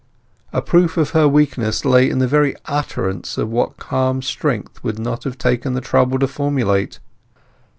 A proof of her weakness lay in the very utterance of what calm strength would not have taken the trouble to formulate.